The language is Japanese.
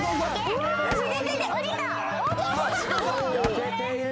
よけている。